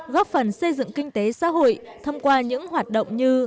góp phần xây dựng kinh tế xã hội thông qua những hoạt động như